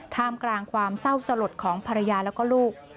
ท่ามกลางความเศร้าสลดของภรรยาแล้วก็ลูก